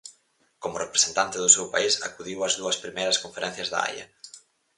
Como representante do seu país acudiu ás dúas primeiras conferencias da Haia.